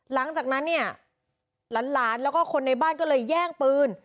หลังจากนั้นเนี่ยหลานแล้วก็คนในบ้านก็เลยแย่งปืน